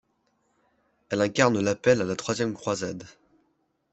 Elle incarne l'appel à la troisième croisade.